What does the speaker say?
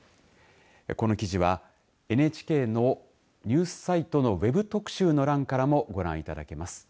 この記事はＮＨＫのニュースサイトのＷＥＢ特集の欄からもご覧いただけます。